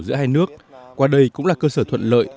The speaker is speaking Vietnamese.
giữa hai nước qua đây cũng là cơ sở thuận lợi